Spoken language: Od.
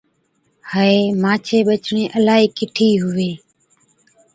هَئي، مانڇين ٻچڙين الاهي ڪِٺي هُوي؟